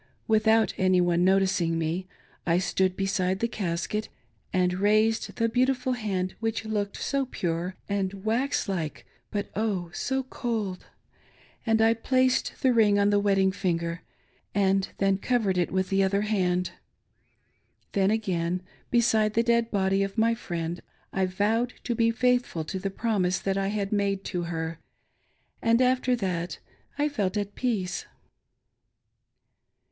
Without any one noticing me, I stood beside the casket, and raised the beautiful hand which looked so pure and wax like, but oh, so cold !— and I placed the ring on the wedding finger, and then covered it with the other hand. Then again, beside the dead body of my friend, I vowed to be faithful to the promise that I had made to her ; and after that I felt at peace.